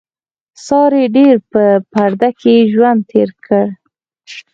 سارې ډېر په پرده کې ژوند تېر کړ.